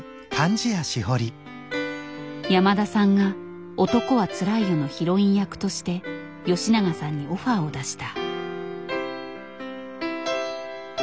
山田さんが「男はつらいよ」のヒロイン役として吉永さんにオファーを出した。